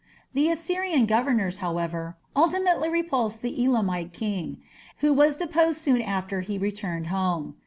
The Assyrian governors, however, ultimately repulsed the Elamite king, who was deposed soon after he returned home.